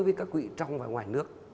với các quỹ trong và ngoài nước